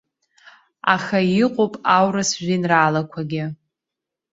Аха иҟоуп аурыс жәеинраалақәагьы.